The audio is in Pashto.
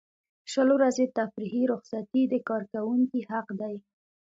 شل ورځې تفریحي رخصتۍ د کارکوونکي حق دی.